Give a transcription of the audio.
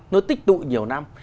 nó tích tụi nhiều năm